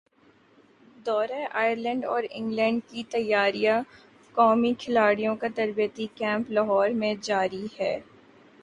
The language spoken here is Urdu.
دورہ ائرلینڈ اور انگلینڈ کی تیاریاںقومی کھلاڑیوں کا تربیتی کیمپ لاہور میں جاری